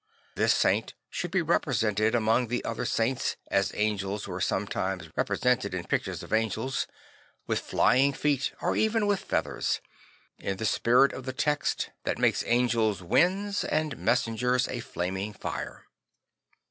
This saint should be represented among the other sain ts as angels were sometimes represented in pictures of angels; with flying feet or even \vith feathers; in the spirit of the text that makes 4 6 St. Francis of Assisi angels winds and messengers a flaming fire.